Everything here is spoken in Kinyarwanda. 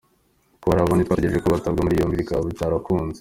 Ko hari abandi twategerje ko batabwa muri yombi bikaba bitarakunze.